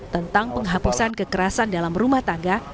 tentang penghapusan kekerasan dalam rumah tangga